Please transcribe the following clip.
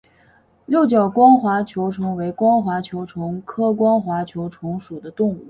六角光滑球虫为光滑球虫科光滑球虫属的动物。